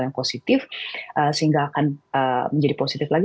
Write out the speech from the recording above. yang positif sehingga akan menjadi positif lagi